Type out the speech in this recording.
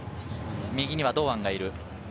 右には堂安がいる。